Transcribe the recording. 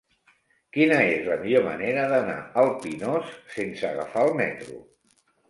Quina és la millor manera d'anar al Pinós sense agafar el metro?